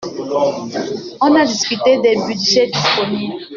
On a discuté des budgets disponibles.